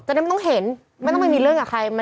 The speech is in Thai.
ได้ไม่ต้องเห็นไม่ต้องไปมีเรื่องกับใคร